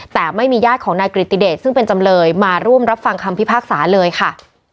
แต่ไม่มีญาติของนายกริติเดชซึ่งเป็นจำเลยมาร่วมรับฟังคำพิพากษาเลยค่ะ